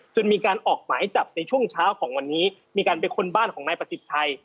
จนมีการออกหมายจับในช่วงเช้าของวันนี้มีการไปค้นบ้านของนายประสิทธิ์ชัย